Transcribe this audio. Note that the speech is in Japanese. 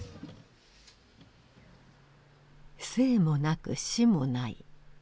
「生もなく死もない」。